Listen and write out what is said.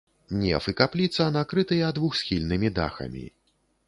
Неф і капліца накрытыя двухсхільнымі дахамі.